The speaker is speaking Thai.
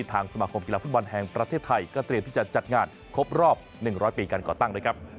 ที่ทางสมาคมกีฬาฟุตบันแห่งประเทศไทยก็เตรียมที่จะจัดงานครบรอบ๑๐๐ปีการก่อตั้ง